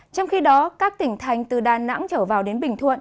trong khi đó các tỉnh thành từ đà nẵng trở vào đến bình thuận